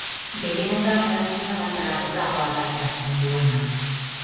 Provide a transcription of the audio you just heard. Gehienetan, erantzuna baino laburragoa da idazten duena.